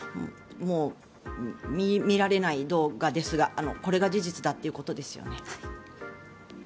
もう、見られない動画ですがこれが事実ということですよね。